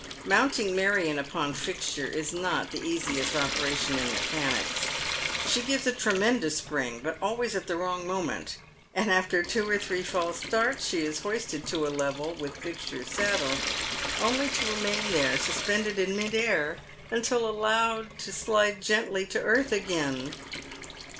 Mounting Marion upon Fixture is not the easiest operation in mechanics. She gives a tremendous spring, but always at the wrong moment, and after two or three false starts she is hoisted to a level with Fixture's saddle, only to remain there suspended in mid air until allowed to slide gently to earth again.